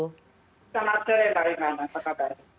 selamat sore baik baik